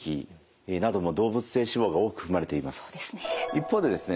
一方でですね